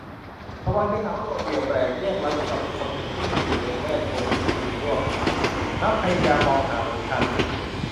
ระวังจะเหงา โดดเดี่ยว แปลกแยกลึกกับผู้คนในแวดวงที่อยู่ร่วม มักพยายามมองหาหนทางใหม่